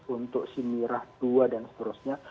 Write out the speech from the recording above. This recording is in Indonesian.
untuk si mirah dua dan seterusnya